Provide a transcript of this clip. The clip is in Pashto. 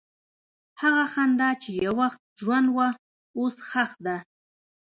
هغه خندا چې یو وخت ژوند وه، اوس ښخ ده.